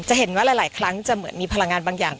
เห็นว่าหลายครั้งจะเหมือนมีพลังงานบางอย่าง